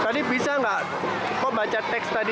tadi bisa nggak kok baca teks tadi